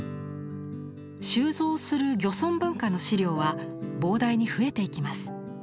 収蔵する漁村文化の資料は膨大に増えていきます。